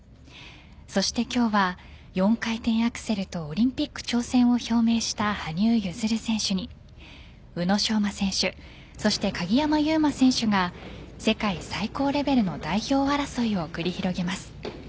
そして、今日は４回転アクセルとオリンピック挑戦を表明した羽生結弦選手に宇野昌磨選手そして鍵山優真選手が世界最高レベルの代表争いを繰り広げます。